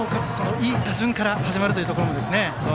いい打順から始まるというところも。